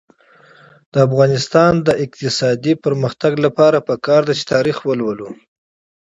د افغانستان د اقتصادي پرمختګ لپاره پکار ده چې تاریخ ولولو.